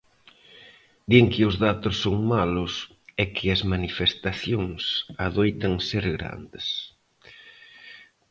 Din que os datos son malos e que as manifestacións adoitan ser grandes.